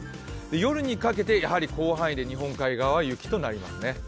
夜にかけて広範囲で日本海側は雪となりますね。